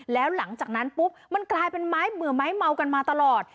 แล้วหลังจากนั้นปุ๊บมันกลายเป็นไม้เหมือไม้เมากันมาตลอด